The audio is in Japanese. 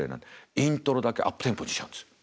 イントロだけアップテンポにしちゃうんですよ。